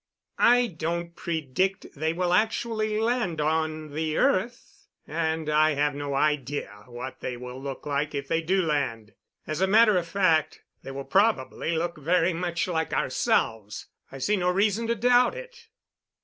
I don't predict they will actually land on the earth and I have no idea what they will look like if they do land. As a matter of fact, they will probably look very much like ourselves. I see no reason to doubt it."